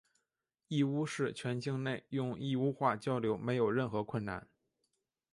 义乌市全境内用义乌话交流没有任何困难。